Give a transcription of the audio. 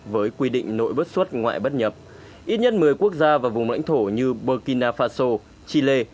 với quy định nội bất xuất ngoại bất nhập ít nhất một mươi quốc gia và vùng lãnh thổ như burkina faso chile